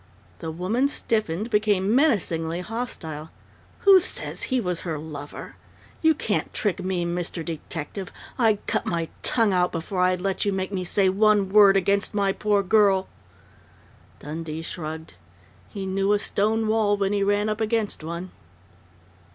The woman stiffened, became menacingly hostile. "Who says he was her lover? You can't trick me, Mr. Detective! I'd cut my tongue out before I'd let you make me say one word against my poor girl!" Dundee shrugged. He knew a stone wall when he ran up against one.